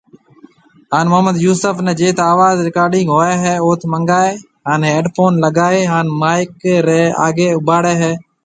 هان محمد يوسف ني جيٿ آواز رڪارڊنگ هوئي اوٿ منگائي هان هيڊ فون لگائي هان مائيڪ ري آگھيَََ اوڀاڙيو